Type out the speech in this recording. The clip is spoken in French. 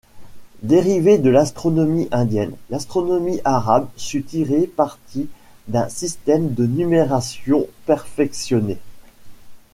Dérivée de l'astronomie indienne, l'astronomie arabe sut tirer parti d'un système de numération perfectionné.